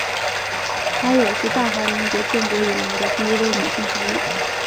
她也是大韩民国建国以来的第一位女性总理。